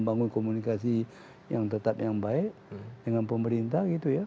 membangun komunikasi yang tetap yang baik dengan pemerintah gitu ya